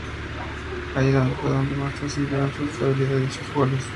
Allí fue donde más trascendieron su habilidad y sus goles.